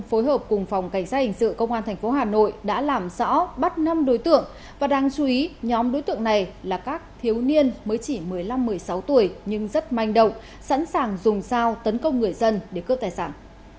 phối hợp cùng phòng cảnh sát hình sự công an tp hà nội đã làm rõ bắt năm đối tượng và đáng chú ý nhóm đối tượng này là các thiếu niên mới chỉ một mươi năm một mươi sáu tuổi nhưng rất manh động sẵn sàng dùng sao tấn công người dân để cướp tài sản